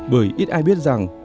bởi ít ai biết rằng